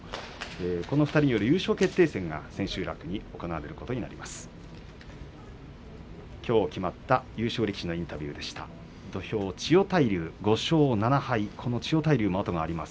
この２人による優勝決定戦が千秋楽に行われることになります。